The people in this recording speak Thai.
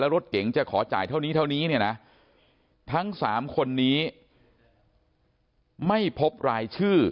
รถเก๋งจะขอจ่ายเท่านี้เท่านี้เนี่ยนะทั้ง๓คนนี้ไม่พบรายชื่อ